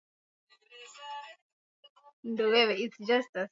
kuandika kuwa kiongozi anapaswa kuwa na maono